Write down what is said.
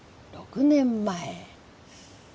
６年前。